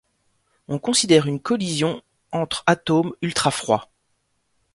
On considère une collision entre atomes ultrafroids.